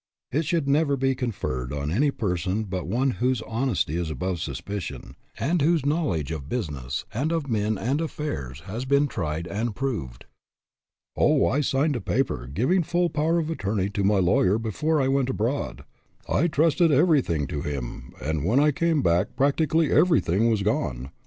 It should never be conferred on any person but one whose hon esty is above suspicion, and whose knowledge of business and of men and affairs has been tried and proved. " Oh, I signed a paper, giving full power of attorney to my lawyer before I went abroad, I trusted everything to him, and when I came back practically everything was gone.